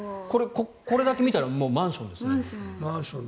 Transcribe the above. これだけ見たらマンションですよね。